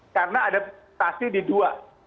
karena ada mutasi di dua